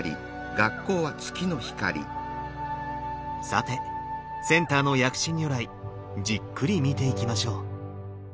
さてセンターの薬師如来じっくり見ていきましょう。